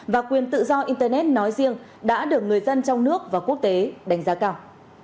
và quyền tự do internet nói riêng đã được người dân trong nước và quốc tế đánh giá cao